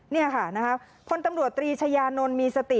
เนี่ยค่ะนะครับคนตำรวจตรีชญานนท์มีสติ